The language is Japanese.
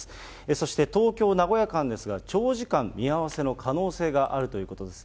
そして東京・名古屋間ですが、長時間見合わせの可能性があるということです。